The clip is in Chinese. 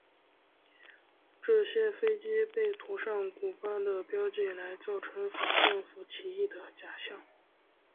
这些飞机被涂上古巴的标记来造成反政府起义的假象。